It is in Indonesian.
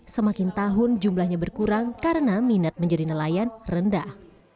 semakin tahun jumlahnya berkurang karena minat menjadi nelayan rendah